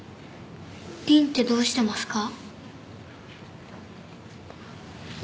りんってどうしてますか？